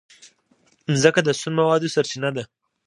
مځکه د سون موادو سرچینه ده.